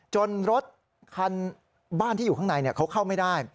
รถคันบ้านที่อยู่ข้างในเขาเข้าไม่ได้